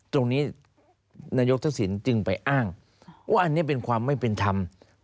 ตรงนี้นายกทักษิณจึงไปอ้างว่าอันนี้เป็นความไม่เป็นธรรม